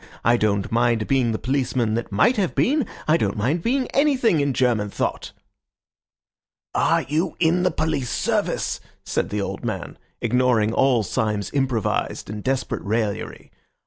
I don't mind being the policeman that might have been. I don't mind being anything in German thought." "Are you in the police service?" said the old man, ignoring all Syme's improvised and desperate raillery.